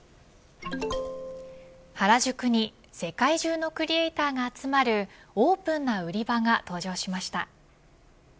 原宿に世界中のクリエイターが集まるオープンな売り場が登場しました。